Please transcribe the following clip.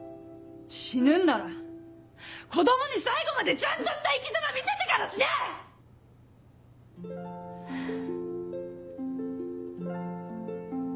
死ぬんなら子供に最後までちゃんとした生きざま見せてから死ね‼ハァ。